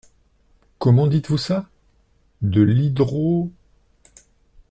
Comment dites-vous ça ? de l’hydro…